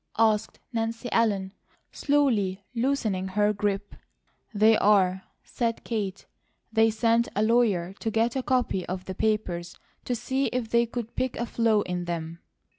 asked Nancy Ellen, slowly loosening her grip. "They are," said Kate. "They sent a lawyer to get a copy of the papers, to see if they could pick a flaw in them."